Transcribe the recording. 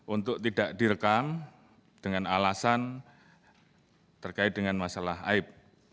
untuk tidak direkam dengan alasan terkait dengan masalah aib